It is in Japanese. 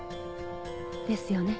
ですよね？